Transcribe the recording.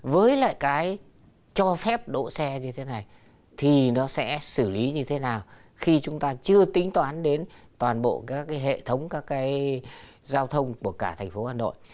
với lại cái cho phép đỗ xe như thế này thì nó sẽ xử lý như thế nào khi chúng ta chưa tính toán đến toàn bộ các cái hệ thống các cái giao thông của cả thành phố hà nội